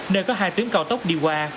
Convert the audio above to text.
nơi có hai tuyến cao tốc đi qua